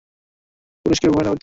পুলিশকে ভয় না পেতে বলবেন।